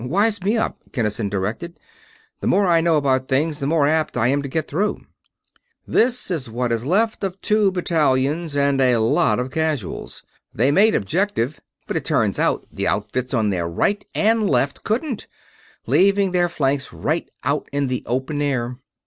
"Wise me up," Kinnison directed. "The more I know about things, the more apt I am to get through." "This is what is left of two battalions, and a lot of casuals. They made objective, but it turns out the outfits on their right and left couldn't, leaving their flanks right out in the open air.